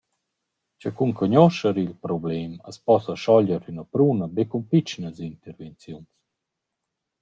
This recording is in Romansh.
Cha cun cugnuoscher il problem as possa schoglier üna pruna be cun pitschnas intervenziuns.